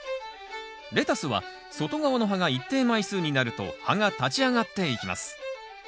レタスは外側の葉が一定枚数になると葉が立ち上がっていきます。